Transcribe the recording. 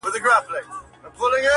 که مو بېل کړمه بیا نه یمه دوستانو،